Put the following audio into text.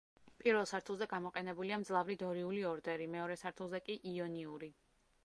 პირველ სართულზე გამოყენებულია მძლავრი დორიული ორდერი, მეორე სართულზე კი იონიური.